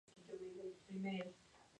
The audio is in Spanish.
No hay dioses, no hay diablos.